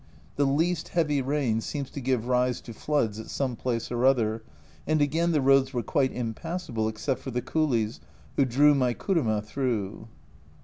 The least heavy rain seems to give rise to floods at some place or other, and again the roads were quite impassable except for the coolies, who drew my kuruma through.